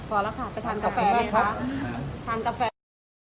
โปรดติดตามตอนต่อไป